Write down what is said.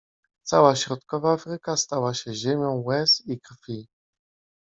Cała środkowa Afryka stała się ziemią łez i krwi.